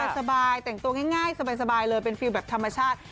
สบายแต่งตัวง่ายสบายเลยเป็นฟิลแบบธรรมชาติ